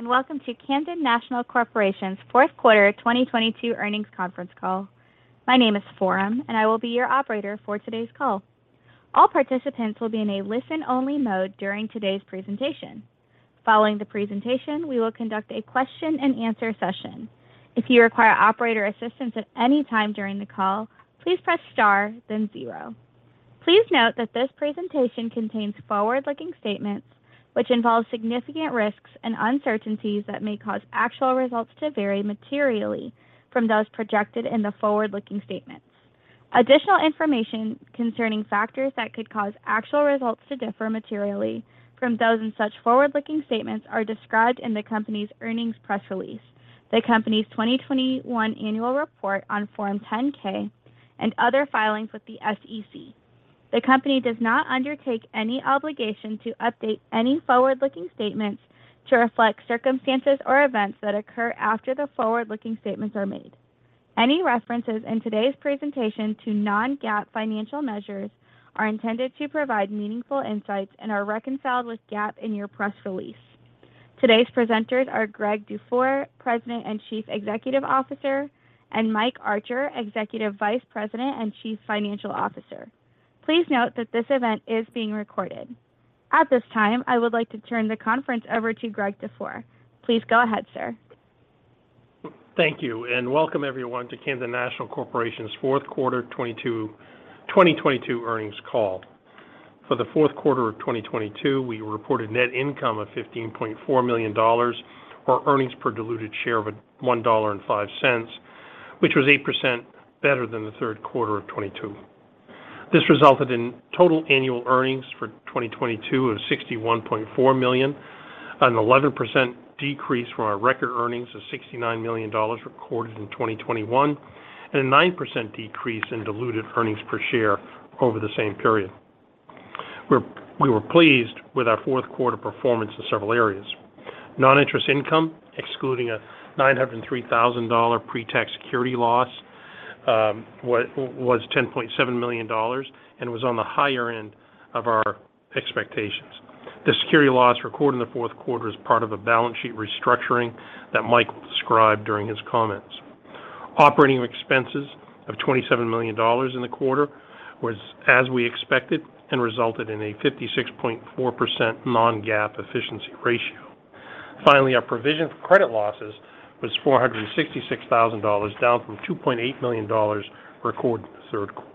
Welcome to Camden National Corporation's Q4 2022 earnings conference call. My name is Forum, and I will be your operator for today's call. All participants will be in a listen-only mode during today's presentation. Following the presentation, we will conduct a question-and-answer session. If you require operator assistance at any time during the call, please press * then 0. Please note that this presentation contains forward-looking statements which involve significant risks and uncertainties that may cause actual results to vary materially from those projected in the forward-looking statements. Additional information concerning factors that could cause actual results to differ materially from those in such forward-looking statements are described in the company's earnings press release, the company's 2021 annual report on Form 10-K and other filings with the SEC. The company does not undertake any obligation to update any forward-looking statements to reflect circumstances or events that occur after the forward-looking statements are made. Any references in today's presentation to non-GAAP financial measures are intended to provide meaningful insights and are reconciled with GAAP in your press release. Today's presenters are Greg Dufour, President and Chief Executive Officer, and Mike Archer, Executive Vice President and Chief Financial Officer. Please note that this event is being recorded. At this time, I would like to turn the conference over to Greg Dufour. Please go ahead, sir. Thank you, welcome everyone to Camden National Corporation's Q4 2022 earnings call. For the Q4 of 2022, we reported net income of $15.4 million, or earnings per diluted share of $1.05, which was 8% better than the Q3 of 2022. This resulted in total annual earnings for 2022 of $61.4 million, an 11% decrease from our record earnings of $69 million recorded in 2021, and a 9% decrease in diluted earnings per share over the same period. We were pleased with our Q4 performance in several areas. Non-interest income, excluding a $903,000 pre-tax security loss, was $10.7 million and was on the higher end of our expectations. The security loss recorded in the Q4 is part of a balance sheet restructuring that Mike will describe during his comments. Operating expenses of $27 million in the quarter was as we expected and resulted in a 56.4% non-GAAP efficiency ratio. Finally, our provision for credit losses was $466,000, down from $2.8 million recorded in the Q3.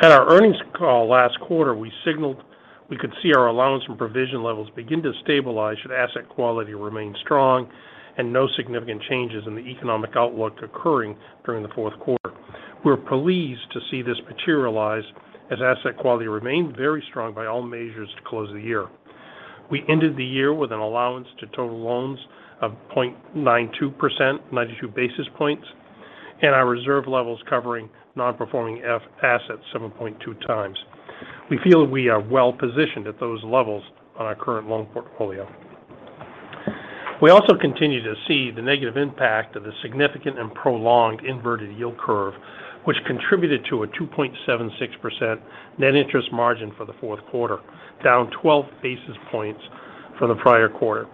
At our earnings call last quarter, we signaled we could see our allowance and provision levels begin to stabilize should asset quality remain strong and no significant changes in the economic outlook occurring during the Q4. We're pleased to see this materialize as asset quality remained very strong by all measures to close the year. We ended the year with an allowance to total loans of 0.92%, 92 basis points, and our reserve levels covering non-performing assets 7.2 times. We feel we are well-positioned at those levels on our current loan portfolio. We also continue to see the negative impact of the significant and prolonged inverted yield curve, which contributed to a 2.76% net interest margin for the Q4, down 12 basis points from the prior quarter.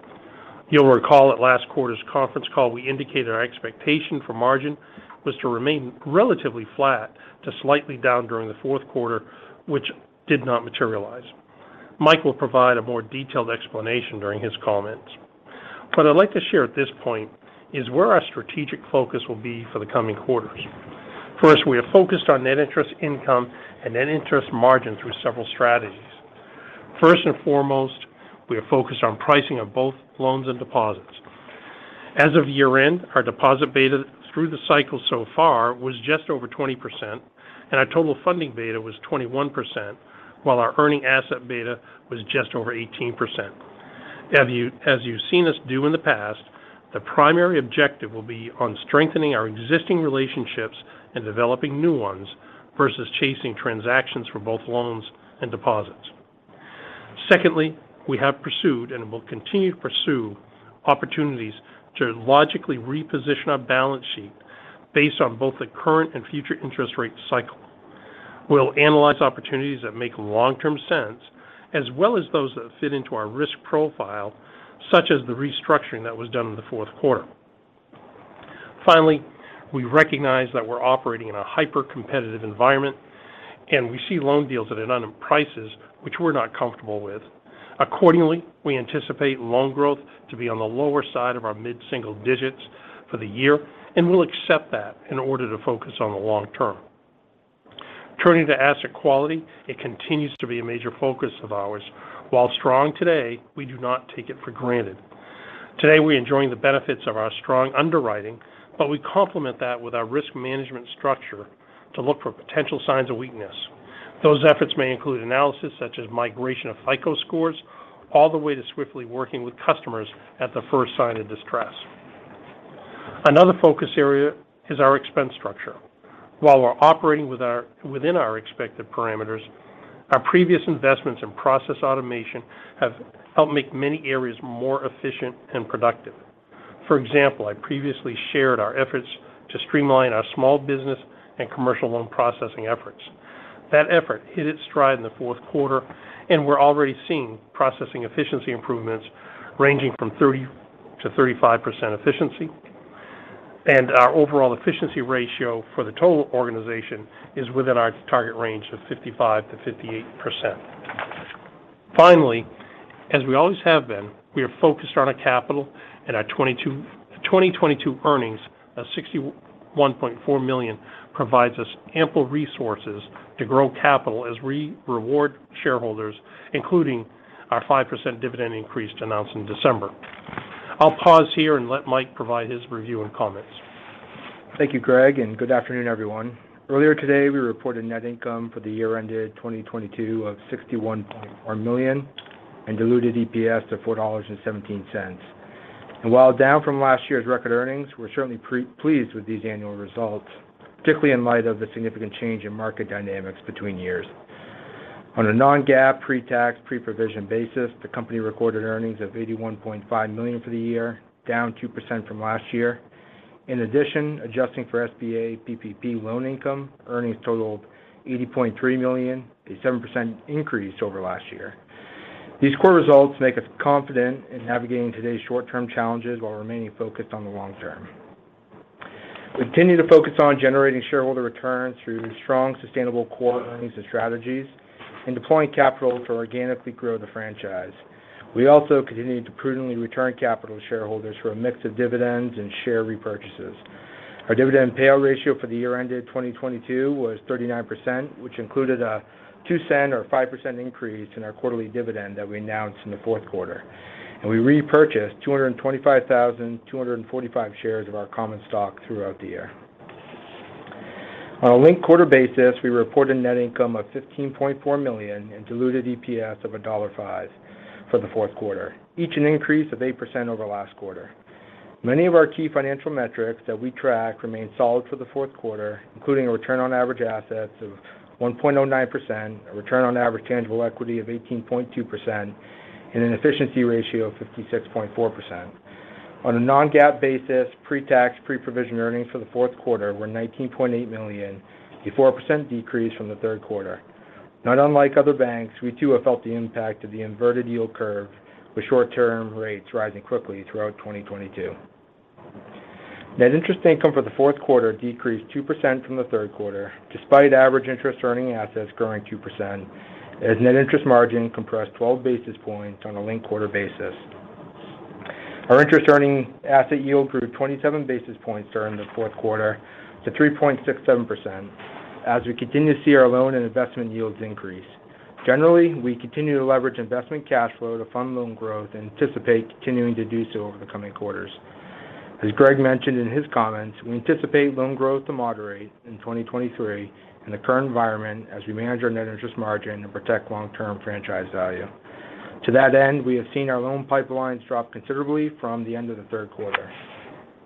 You'll recall at last quarter's conference call, we indicated our expectation for margin was to remain relatively flat to slightly down during the Q4, which did not materialize. Mike will provide a more detailed explanation during his comments. What I'd like to share at this point is where our strategic focus will be for the coming quarters. First, we are focused on net interest income and net interest margin through several strategies. First and foremost, we are focused on pricing of both loans and deposits. As of year-end, our deposit beta through the cycle so far was just over 20% and our total funding beta was 21% while our earning asset beta was just over 18%. As you've seen us do in the past, the primary objective will be on strengthening our existing relationships and developing new ones versus chasing transactions for both loans and deposits. Secondly, we have pursued and will continue to pursue opportunities to logically reposition our balance sheet based on both the current and future interest rate cycle. We'll analyze opportunities that make long-term sense as well as those that fit into our risk profile, such as the restructuring that was done in the Q4. Finally, we recognize that we're operating in a hyper-competitive environment, and we see loan deals at an unknown prices which we're not comfortable with. Accordingly, we anticipate loan growth to be on the lower side of our mid-single digits for the year, and we'll accept that in order to focus on the long term. Turning to asset quality, it continues to be a major focus of ours. While strong today, we do not take it for granted. Today, we're enjoying the benefits of our strong underwriting, but we complement that with our risk management structure to look for potential signs of weakness. Those efforts may include analysis such as migration of FICO scores all the way to swiftly working with customers at the first sign of distress. Another focus area is our expense structure. While we're operating within our expected parameters, our previous investments in process automation have helped make many areas more efficient and productive. For example, I previously shared our efforts to streamline our small business and commercial loan processing efforts. That effort hit its stride in the Q4, and we're already seeing processing efficiency improvements ranging from 30% to 35% efficiency. Our overall efficiency ratio for the total organization is within our target range of 55% to 58%. Finally, as we always have been, we are focused on our capital and our 2022 earnings of $61.4 million provides us ample resources to grow capital as we reward shareholders, including our 5% dividend increase announced in December. I'll pause here and let Mike provide his review and comments. Thank you, Greg. Good afternoon, everyone. Earlier today, we reported net income for the year ended 2022 of $61.4 million and Diluted EPS of $4.17. While down from last year's record earnings, we're certainly pleased with these annual results, particularly in light of the significant change in market dynamics between years. On a non-GAAP, pre-tax, pre-provision basis, the company recorded earnings of $81.5 million for the year, down 2% from last year. In addition, adjusting for SBA PPP loan income, earnings totaled $80.3 million, a 7% increase over last year. These core results make us confident in navigating today's short-term challenges while remaining focused on the long term. We continue to focus on generating shareholder returns through strong, sustainable core earnings and strategies and deploying capital to organically grow the franchise. We also continue to prudently return capital to shareholders through a mix of dividends and share repurchases. Our dividend payout ratio for the year ended 2022 was 39%, which included a $0.02 or 5% increase in our quarterly dividend that we announced in the Q4. We repurchased 225,245 shares of our common stock throughout the year. On a linked quarter basis, we reported net income of $15.4 million and diluted EPS of $1.05 for the Q4, each an increase of 8% over last quarter. Many of our key financial metrics that we track remain solid for the Q4, including a return on average assets of 1.09%, a return on average tangible equity of 18.2%, and an efficiency ratio of 56.4%. On a non-GAAP basis, pre-tax, pre-provision earnings for the Q4 were $19.8 million, a 4% decrease from the Q3. Not unlike other banks, we too have felt the impact of the inverted yield curve with short-term rates rising quickly throughout 2022. Net interest income for the Q4 decreased 2% from the Q3, despite average interest earning assets growing 2% as net interest margin compressed 12 basis points on a linked quarter basis. Our interest earning asset yield grew 27 basis points during the Q4 to 3.67% as we continue to see our loan and investment yields increase. Generally, we continue to leverage investment cash flow to fund loan growth and anticipate continuing to do so over the coming quarters. As Greg mentioned in his comments, we anticipate loan growth to moderate in 2023 in the current environment as we manage our net interest margin and protect long-term franchise value. To that end, we have seen our loan pipelines drop considerably from the end of the Q3.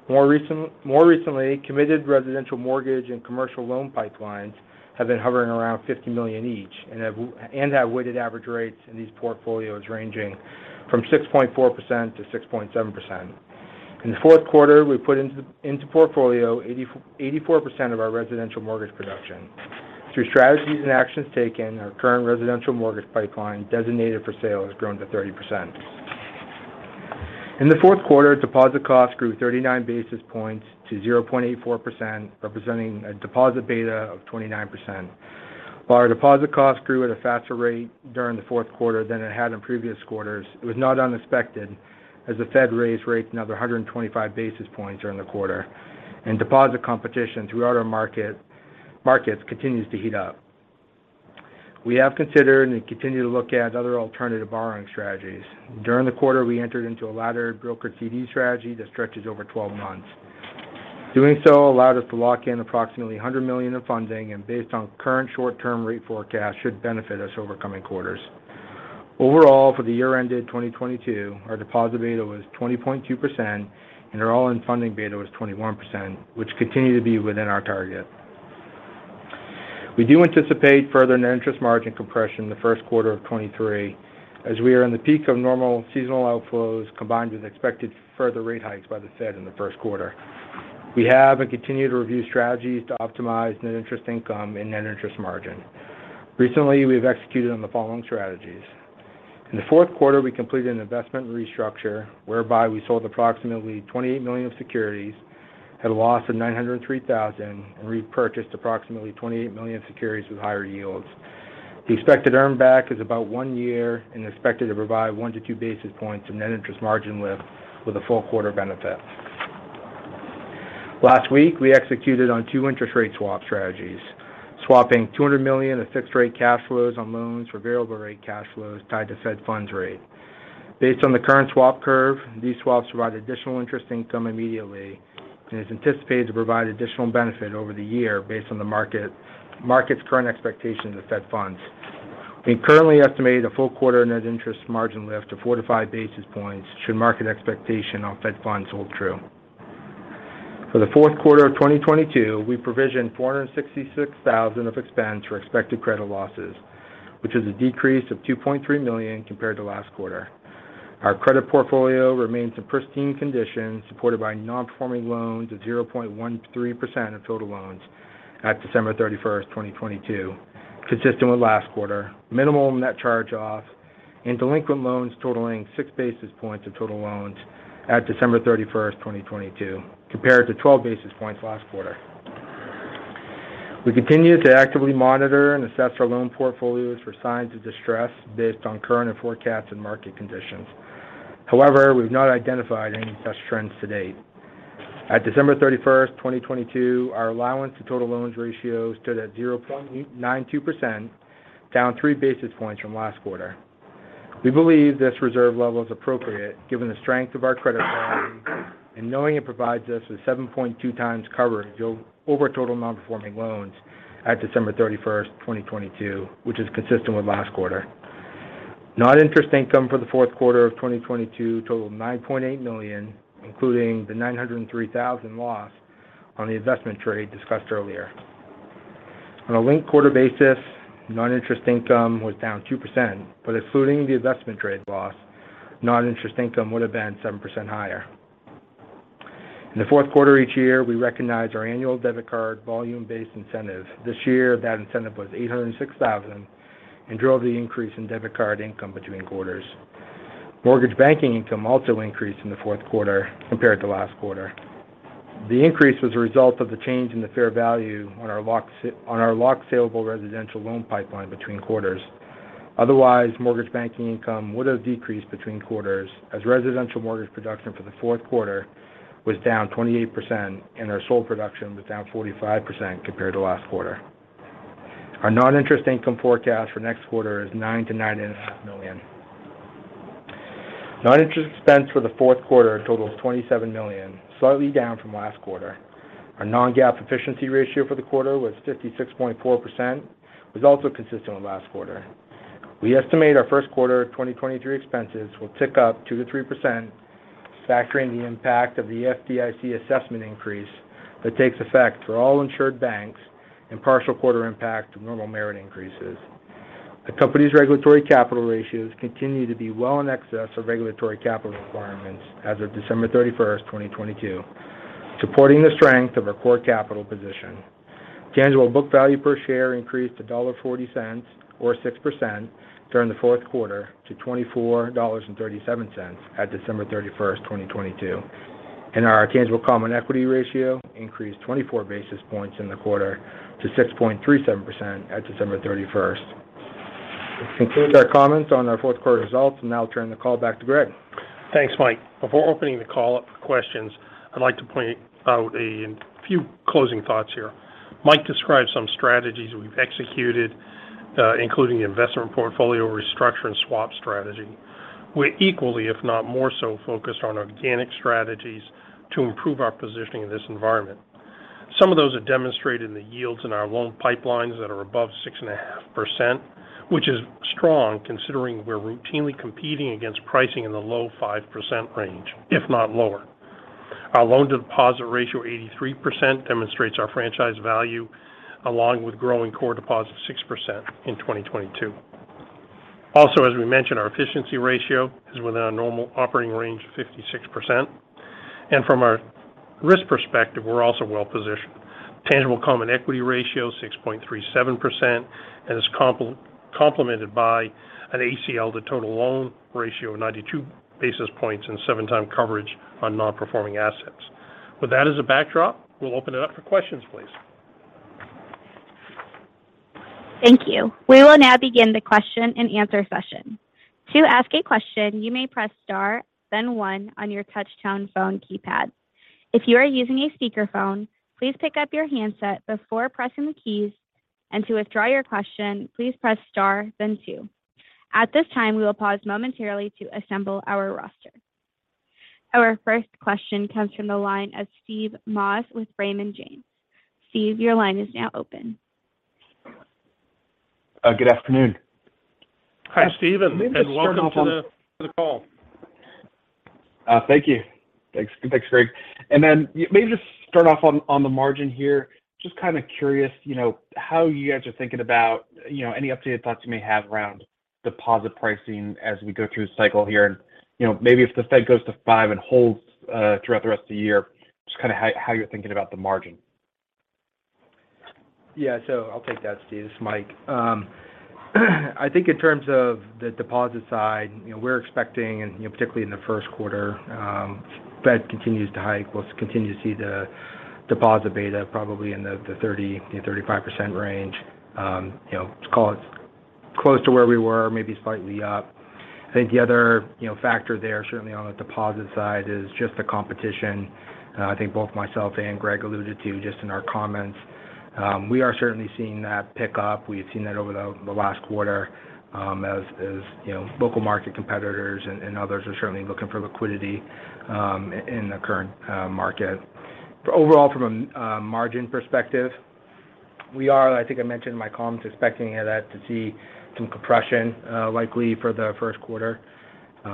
More recently, committed residential mortgage and commercial loan pipelines have been hovering around $50 million each and have weighted average rates in these portfolios ranging from 6.4% to 6.7%. In the Q4, we put into portfolio 84% of our residential mortgage production. Through strategies and actions taken, our current residential mortgage pipeline designated for sale has grown to 30%. In the Q4, deposit costs grew 39 basis points to 0.84%, representing a deposit beta of 29%. While our deposit costs grew at a faster rate during the Q4 than it had in previous quarters, it was not unexpected as the Fed raised rates another 125 basis points during the quarter and deposit competition throughout our markets continues to heat up. We have considered and continue to look at other alternative borrowing strategies. During the quarter, we entered into a laddered brokered CD strategy that stretches over 12 months. Doing so allowed us to lock in approximately $100 million in funding, and based on current short-term rate forecasts, should benefit us over coming quarters. Overall, for the year ended 2022, our deposit beta was 20.2% and our all-in funding beta was 21%, which continue to be within our target. We do anticipate further net interest margin compression in the Q1 of 2023, as we are in the peak of normal seasonal outflows combined with expected further rate hikes by the Fed in the Q1. We have and continue to review strategies to optimize net interest income and net interest margin. Recently, we have executed on the following strategies. In the Q4, we completed an investment restructure whereby we sold approximately $28 million of securities at a loss of $903,000 and repurchased approximately $28 million securities with higher yields. The expected earn back is about 1 year and expected to provide 1 to 2 basis points of net interest margin lift with a full quarter benefit. Last week, we executed on 2 interest rate swap strategies, swapping $200 million of fixed rate cash flows on loans for variable rate cash flows tied to Fed funds rate. Based on the current swap curve, these swaps provide additional interest income immediately and is anticipated to provide additional benefit over the year based on the market's current expectation of the Fed funds. We currently estimate a full quarter net interest margin lift of 4-5 basis points should market expectation on Fed funds hold true. For the Q4 of 2022, we provisioned $466,000 of expense for expected credit losses, which is a decrease of $2.3 million compared to last quarter. Our credit portfolio remains in pristine condition, supported by non-performing loans of 0.13% of total loans at December 31, 2022, consistent with last quarter. Minimum net charge-offs and delinquent loans totaling 6 basis points of total loans at December 31, 2022 compared to 12 basis points last quarter. We continue to actively monitor and assess our loan portfolios for signs of distress based on current and forecast and market conditions. However, we've not identified any such trends to date. At December 31st, 2022, our allowance to total loans ratio stood at 0.92%, down 3 basis points from last quarter. We believe this reserve level is appropriate given the strength of our credit quality and knowing it provides us with 7.2 times coverage over total non-performing loans at December 31st, 2022, which is consistent with last quarter. Non-interest income for the Q4 of 2022 totaled $9.8 million, including the $903,000 loss on the investment trade discussed earlier. On a linked quarter basis, non-interest income was down 2%, but excluding the investment trade loss, non-interest income would have been 7% higher. In the Q4 each year, we recognize our annual debit card volume-based incentive. This year, that incentive was $806,000 and drove the increase in debit card income between quarters. Mortgage banking income also increased in the Q4 compared to last quarter. The increase was a result of the change in the fair value on our locked saleable residential loan pipeline between quarters. Otherwise, mortgage banking income would have decreased between quarters as residential mortgage production for the Q4 was down 28% and our sold production was down 45% compared to last quarter. Our non-interest income forecast for next quarter is $9 million to $9.5 million. Non-interest expense for the Q4 totals $27 million, slightly down from last quarter. Our non-GAAP efficiency ratio for the quarter was 56.4%, was also consistent with last quarter. We estimate our Q1 of 2023 expenses will tick up 2% to 3%, factoring the impact of the FDIC assessment increase that takes effect for all insured banks and partial quarter impact of normal merit increases. The company's regulatory capital ratios continue to be well in excess of regulatory capital requirements as of December 31, 2022, supporting the strength of our core capital position. Tangible book value per share increased to $0.40 or 6% during the Q4 to $24.37 at December 31, 2022. Our tangible common equity ratio increased 24 basis points in the quarter to 6.37% at December 31. This concludes our comments on our Q4 results. I'll now turn the call back to Greg. Thanks, Mike. Before opening the call up for questions, I'd like to point out a few closing thoughts here. Mike described some strategies we've executed, including the investment portfolio restructure and swap strategy. We're equally, if not more so, focused on organic strategies to improve our positioning in this environment. Some of those are demonstrated in the yields in our loan pipelines that are above 6.5%, which is strong considering we're routinely competing against pricing in the low 5% range, if not lower. Our loan deposit ratio, 83%, demonstrates our franchise value, along with growing core deposits 6% in 2022. Also, as we mentioned, our efficiency ratio is within our normal operating range of 56%. From our risk perspective, we're also well-positioned. Tangible common equity ratio, 6.37%, and is complemented by an ACL to total loan ratio of 92 basis points and 7 times coverage on non-performing assets. With that as a backdrop, we'll open it up for questions, please. Thank you. We will now begin the question-and-answer session. To ask a question, you may press * then 1 on your touchtone phone keypad. If you are using a speakerphone, please pick up your handset before pressing the keys. To withdraw your question, please press * then 2. At this time, we will pause momentarily to assemble our roster. Our first question comes from the line of Steve Moss with Raymond James. Steve, your line is now open. Good afternoon. Hi, Steve, and welcome to the call. Thank you. Thanks. Thanks, Greg. Then maybe just start off on the margin here. Just kind of curious, you know, how you guys are thinking about, you know, any updated thoughts you may have around deposit pricing as we go through the cycle here. You know, maybe if the Fed goes to 5 and holds throughout the rest of the year, just kind of how you're thinking about the margin. I'll take that, Steve. It's Mike. I think in terms of the deposit side, you know, we're expecting, and you know, particularly in the Q1, Fed continues to hike. We'll continue to see the deposit beta probably in the 30% to 35% range. You know, it's call it close to where we were, maybe slightly up. I think the other, you know, factor there certainly on the deposit side is just the competition. I think both myself and Greg alluded to just in our comments. We are certainly seeing that pick up. We've seen that over the last quarter, as, you know, local market competitors and others are certainly looking for liquidity, in the current market. Overall, from a margin perspective. We are, I think I mentioned in my comments, expecting that to see some compression, likely for the Q1. You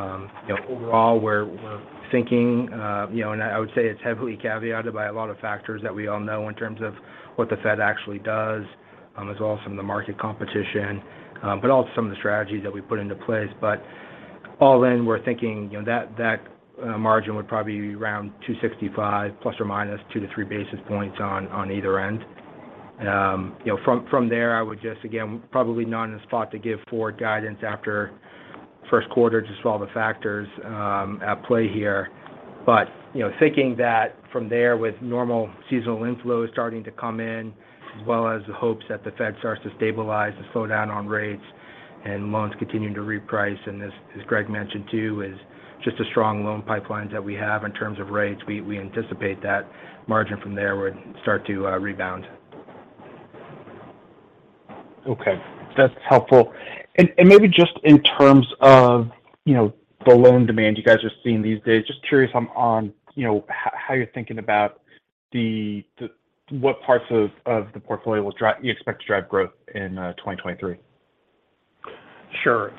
know, overall, we're thinking, you know, and I would say it's heavily caveated by a lot of factors that we all know in terms of what the Fed actually does, as well as some of the market competition, but also some of the strategies that we put into place. All in, we're thinking, you know, that margin would probably be around 265 ± 2-3 basis points on either end. You know, from there, I would just again, probably not in a spot to give forward guidance after Q1 just with all the factors at play here. You know, thinking that from there with normal seasonal inflows starting to come in as well as the hopes that the Fed starts to stabilize to slow down on rates and loans continuing to reprice, and as Greg mentioned too, is just the strong loan pipelines that we have in terms of rates, we anticipate that margin from there would start to rebound. Okay. That's helpful. Maybe just in terms of, you know, the loan demand you guys are seeing these days, just curious on, you know, how you're thinking about the what parts of the portfolio will you expect to drive growth in 2023? Sure.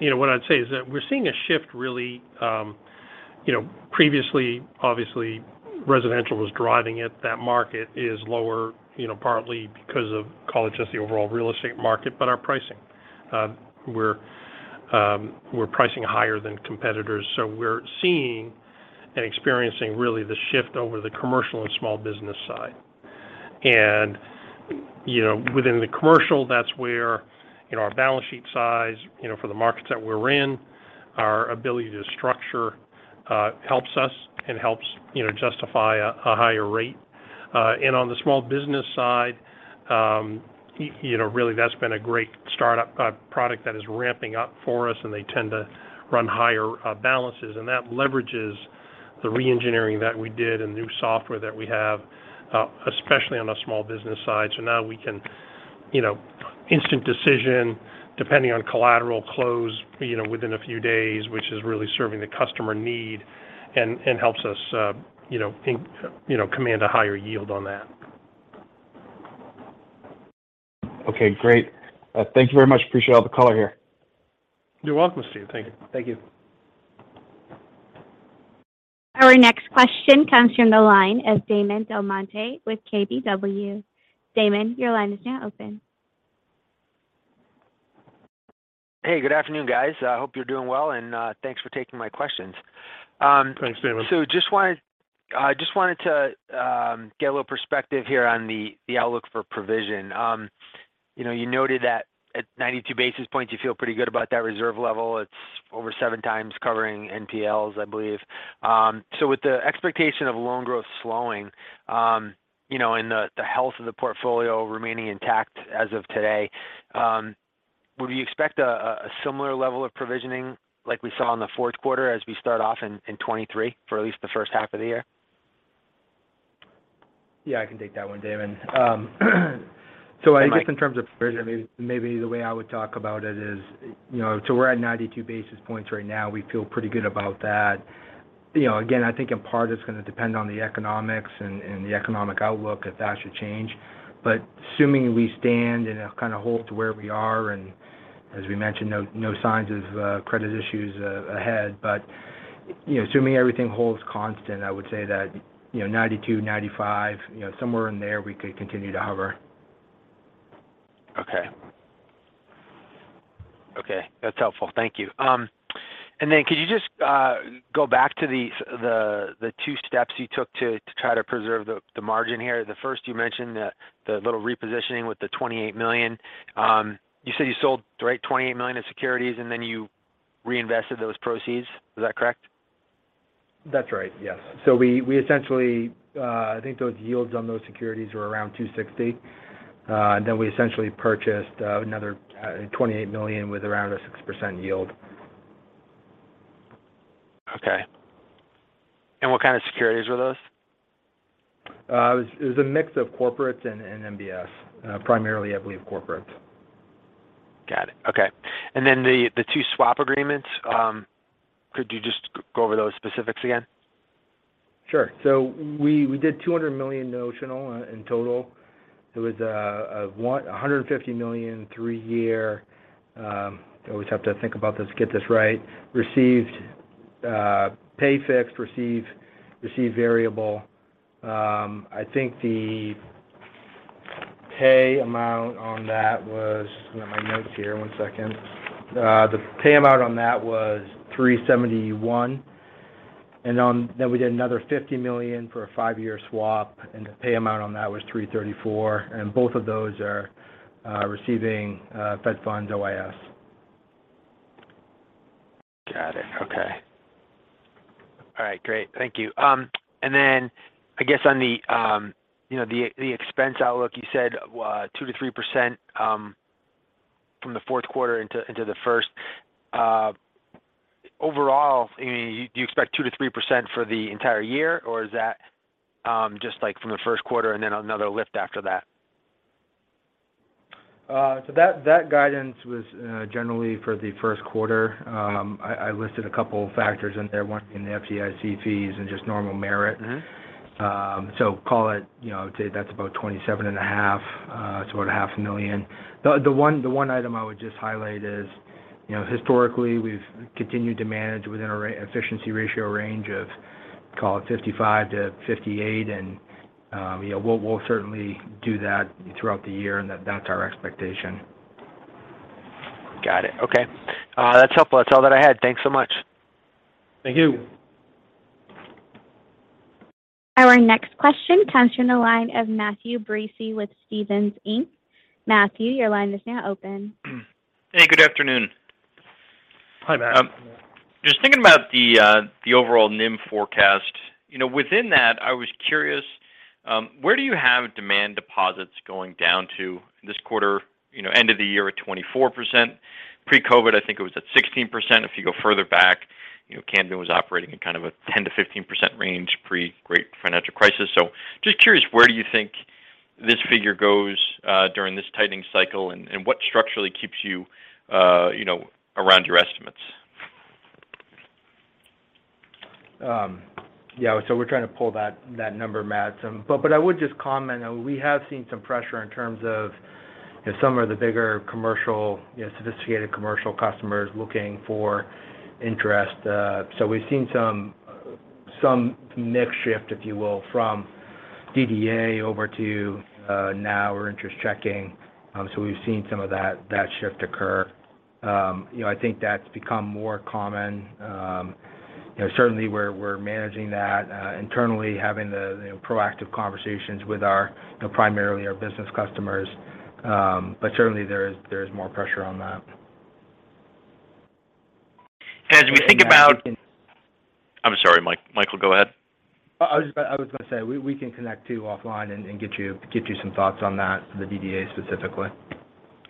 You know, what I'd say is that we're seeing a shift really, you know, previously obviously residential was driving it. That market is lower, you know, partly because of call it just the overall real estate market, but our pricing. We're pricing higher than competitors, so we're seeing and experiencing really the shift over the commercial and small business side. You know, within the commercial, that's where, you know, our balance sheet size, you know, for the markets that we're in, our ability to structure, helps us and helps, you know, justify a higher rate. On the small business side, you know, really that's been a great startup product that is ramping up for us and they tend to run higher balances. That leverages the re-engineering that we did and new software that we have, especially on the small business side. Now we can, you know, instant decision depending on collateral close, you know, within a few days, which is really serving the customer need and helps us, you know, command a higher yield on that. Okay. Great. Thank you very much. Appreciate all the color here. You're welcome, Steve. Thank you. Thank you. Our next question comes from the line of Damon DelMonte with KBW. Damon, your line is now open. Hey, good afternoon, guys. I hope you're doing well, and thanks for taking my questions. Thanks, Damon. Just wanted to get a little perspective here on the outlook for provision. You know, you noted that at 92 basis points you feel pretty good about that reserve level. It's over 7 times covering NPLs, I believe. With the expectation of loan growth slowing, you know, and the health of the portfolio remaining intact as of today, would you expect a similar level of provisioning like we saw in the Q4 as we start off in 2023 for at least the H1 of the year? Yeah, I can take that 1, Damon. I guess in terms of provision, maybe the way I would talk about it is, you know, we're at 92 basis points right now. We feel pretty good about that. You know, again, I think in part it's going to depend on the economics and the economic outlook if that should change. Assuming we stand and it kind of hold to where we are, and as we mentioned, no signs of credit issues ahead. You know, assuming everything holds constant, I would say that, you know, 92, 95, you know, somewhere in there we could continue to hover. Okay. Okay, that's helpful. Thank you. Could you just go back to the 2 steps you took to try to preserve the margin here? The first you mentioned, the little repositioning with the $28 million. You said you sold, right, $28 million of securities, and then you reinvested those proceeds. Is that correct? That's right, yes. We essentially, I think those yields on those securities were around 2.60%. Then we essentially purchased another $28 million with around a 6% yield. Okay. What kind of securities were those? It was a mix of corporates and MBS. Primarily, I believe corporate. Got it. Okay. Then the 2 swap agreements, could you just go over those specifics again? Sure. We did $200 million notional in total. There was a $150 million 3-year. I always have to think about this to get this right. Received, pay fixed, receive variable. I think the pay amount on that was. I got my notes here, 1 second. The pay amount on that was 3.71%. Then we did another $50 million for a 5-year swap, and the pay amount on that was 3.34%. Both of those are receiving Fed funds OIS. Got it. Okay. All right, great. Thank you. I guess on the, you know, the expense outlook, you said, 2% to 3%, from the Q4 into the Q1. I mean, do you expect 2% to 3% for the entire year, or is that just like from the Q1 and then another lift after that? That guidance was generally for the Q1. I listed a couple factors in there, 1 in the FDIC fees and just normal merit. Mm-hmm. So call it, you know, I would say that's about $27.5 million to about a $500,000. The 1 item I would just highlight is, you know, historically we've continued to manage within a efficiency ratio range of, call it 55% to 58%. You know, we'll certainly do that throughout the year and that's our expectation. Got it. Okay. That's helpful. That's all that I had. Thanks so much. Thank you. Our next question comes from the line of Matthew Breese with Stephens Inc. Matthew, your line is now open. Hey, good afternoon. Hi, Matt. Just thinking about the overall NIM forecast. You know, within that, I was curious, where do you have demand deposits going down to this quarter? You know, end of the year at 24%. Pre-COVID, I think it was at 16%. If you go further back, you know, Camden was operating in kind of a 10% to 15% range pre-Great Financial Crisis. Just curious, where do you think this figure goes during this tightening cycle, and what structurally keeps you know, around your estimates? Yeah. We're trying to pull that number, Matt. I would just comment that we have seen some pressure in terms of, you know, some of the bigger commercial, you know, sophisticated commercial customers looking for interest. We've seen some mix shift, if you will, from DDA over to now our interest checking. We've seen some of that shift occur. You know, I think that's become more common. You know, certainly we're managing that internally having the proactive conversations with our, you know, primarily our business customers. Certainly there is more pressure on that. As we think. Matt, we can- I'm sorry, Michael, go ahead. I was gonna say, we can connect too offline and get you some thoughts on that, the DDA specifically.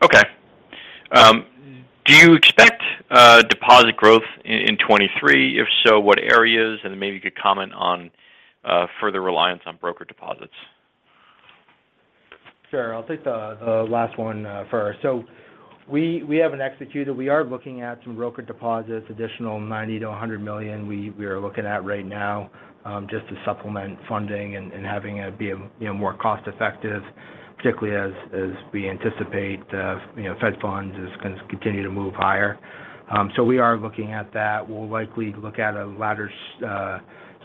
Okay. Do you expect deposit growth in 2023? If so, what areas? Maybe you could comment on further reliance on broker deposits. Sure. I'll take the last 1 first. We haven't executed. We are looking at some broker deposits, additional $90 million to $100 million, we are looking at right now, just to supplement funding and having it be a, you know, more cost effective, particularly as we anticipate, you know, Fed funds is gonna continue to move higher. We are looking at that. We'll likely look at a ladder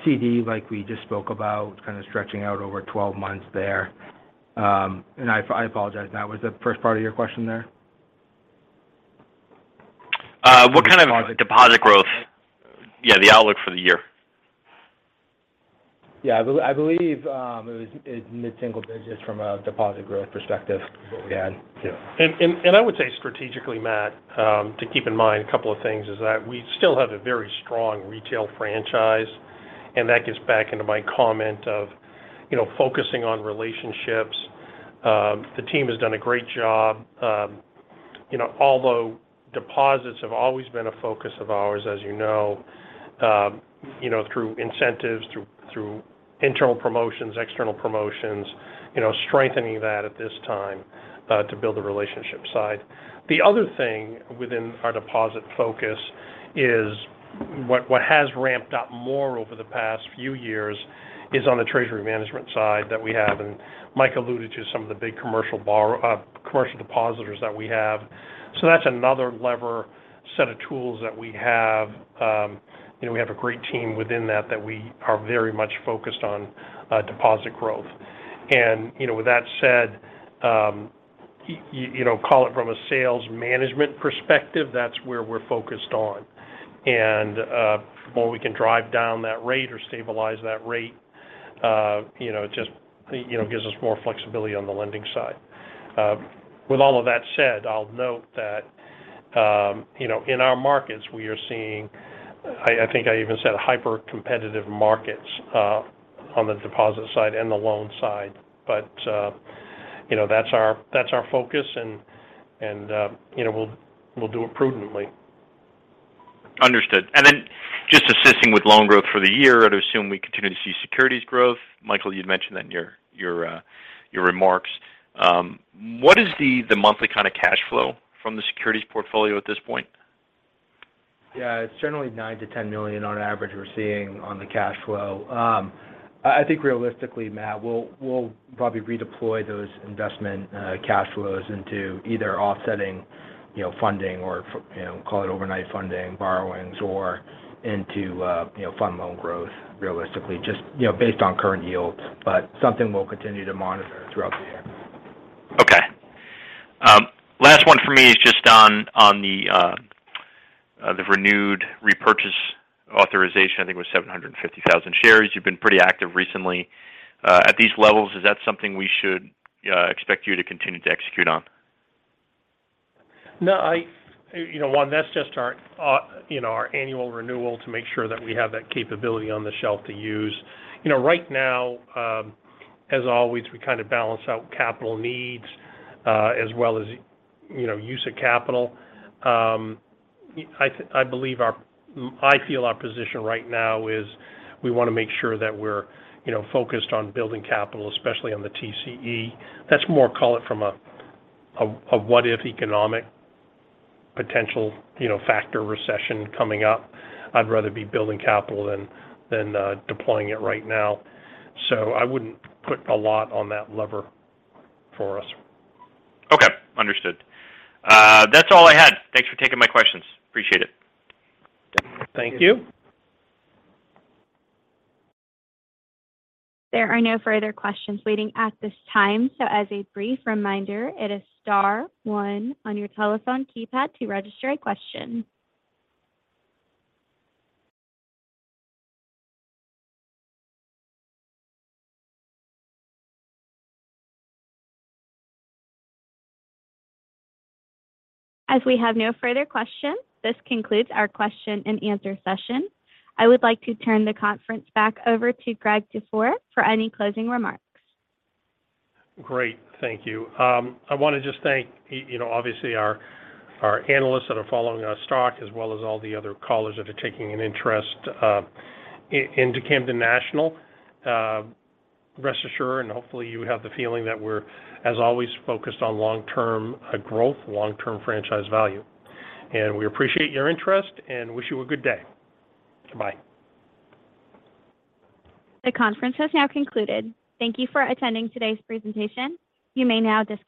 CD like we just spoke about, kind of stretching out over 12 months there. And I apologize, Matt, what was the first part of your question there? What kind of deposit growth, yeah, the outlook for the year. Yeah. I believe, it was in mid-single digits from a deposit growth perspective is what we had. Yeah. I would say strategically, Matt, to keep in mind a couple of things is that we still have a very strong retail franchise, and that gets back into my comment of, you know, focusing on relationships. The team has done a great job. You know, although deposits have always been a focus of ours, as you know, you know, through incentives, through internal promotions, external promotions, you know, strengthening that at this time, to build the relationship side. The other thing within our deposit focus is what has ramped up more over the past few years is on the treasury management side that we have, and Mike alluded to some of the big commercial depositors that we have. That's another lever set of tools that we have. You know, we have a great team within that we are very much focused on deposit growth. You know, with that said, you know, call it from a sales management perspective, that's where we're focused on. The more we can drive down that rate or stabilize that rate, you know, it just, you know, gives us more flexibility on the lending side. With all of that said, I'll note that, you know, in our markets, we are seeing, I think I even said hyper-competitive markets, on the deposit side and the loan side. You know, that's our focus and, you know, we'll do it prudently. Understood. Just assisting with loan growth for the year, I'd assume we continue to see securities growth. Michael, you'd mentioned that in your remarks. What is the monthly kind of cash flow from the securities portfolio at this point? It's generally $9 million to $10 million on average we're seeing on the cash flow. I think realistically, Matt, we'll probably redeploy those investment cash flows into either offsetting, you know, funding or you know, call it overnight funding borrowings or into, you know, fund loan growth realistically, just, you know, based on current yields. Something we'll continue to monitor throughout the year. Last 1 for me is just on the renewed repurchase authorization. I think it was 750,000 shares. You've been pretty active recently. At these levels, is that something we should expect you to continue to execute on? No, you know, 1, that's just our, you know, our annual renewal to make sure that we have that capability on the shelf to use. You know, right now, as always, we kind of balance out capital needs, as well as you know, use of capital. I feel our position right now is we wanna make sure that we're, you know, focused on building capital, especially on the TCE. That's more call it from a, a what if economic potential, you know, factor recession coming up. I'd rather be building capital than deploying it right now. I wouldn't put a lot on that lever for us. Understood. That's all I had. Thanks for taking my questions. Appreciate it. Thank you. There are no further questions waiting at this time. As a brief reminder, it is * 1 on your telephone keypad to register a question. We have no further questions, this concludes our question and answer session. I would like to turn the conference back over to Greg Dufour for any closing remarks. Great. Thank you. I wanna just thank, you know, obviously our analysts that are following our stock as well as all the other callers that are taking an interest into Camden National. Rest assured, and hopefully you have the feeling that we're, as always, focused on long-term growth, long-term franchise value. We appreciate your interest and wish you a good day. Bye. The conference has now concluded. Thank you for attending today's presentation. You may now disconnect.